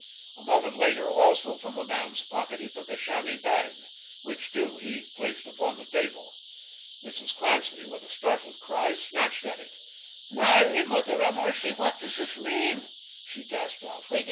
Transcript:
A moment later, also from the man's pocket, he took a chamois bag, which, too, he placed upon the table. Mrs. Clancy, with a startled cry, snatched at it. "Mary, Mother of Mercy, what does this mean!" she gasped out.